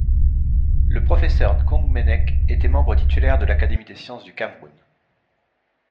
Le professeur Nkongmeneck était membre titulaire de l'Académie des Sciences du Cameroun.